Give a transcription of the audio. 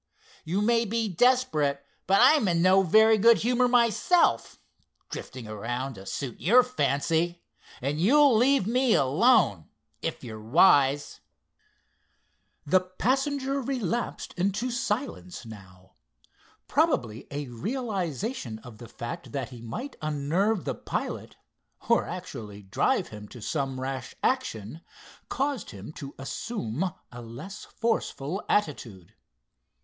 You may be desperate, but I'm in no very good humor myself, drifting around to suit your fancy, and you'll leave me alone, if you're wise." The passenger relapsed into silence now. Probably a realization of the fact that he might unnerve the pilot, or actually drive him to some rash action, caused him to assume a less forceful attitude.